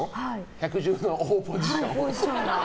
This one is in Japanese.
百獣の王ポジション。